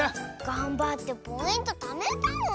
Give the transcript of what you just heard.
がんばってポイントためたのに。